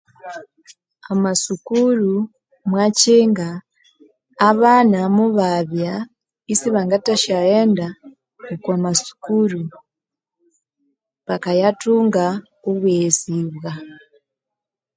Amasukuru mwakinga abana mobabya isibangathashayenda okomasukuru bakayathunga obwesibwa